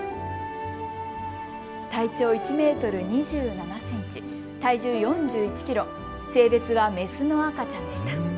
体長１メートル２７センチ、体重４１キロ、性別はメスの赤ちゃんでした。